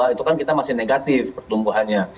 dua ribu dua itu kan kita masih negatif pertumbuhannya